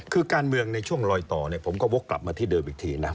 คือการเมืองในช่วงลอยต่อเนี่ยผมก็วกกลับมาที่เดิมอีกทีนะ